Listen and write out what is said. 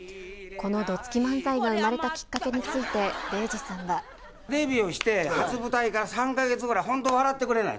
このどつき漫才が生まれたきデビューして、初舞台から３か月ぐらい、本当、笑ってくれない。